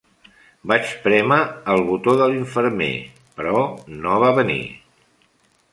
Vaig prémer el botó de l'infermer, però no va venir.